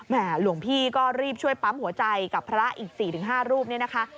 หลวงพี่ก็รีบช่วยปั๊มหัวใจกับพระอีก๔๕รูปเนี่ยนะคะ